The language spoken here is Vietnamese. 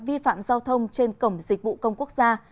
vi phạm giao thông trên cổng dịch vụ công quốc gia